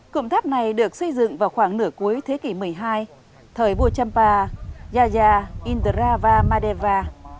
cụm tháp này được xây dựng vào khoảng nửa cuối thế kỷ một mươi hai thời bùa trăm ba gia gia indra và madhava